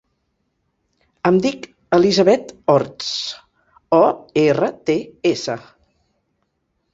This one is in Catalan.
Em dic Elisabeth Orts: o, erra, te, essa.